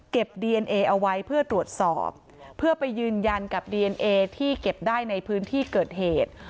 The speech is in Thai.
ดีเอนเอเอาไว้เพื่อตรวจสอบเพื่อไปยืนยันกับดีเอนเอที่เก็บได้ในพื้นที่เกิดเหตุ